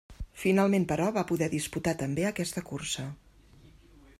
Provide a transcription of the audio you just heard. Finalment però, va poder disputar també aquesta cursa.